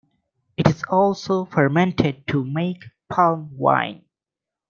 It is also fermented to make palm wine.